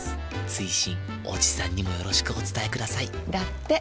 追伸おじさんにもよろしくお伝えくださいだって。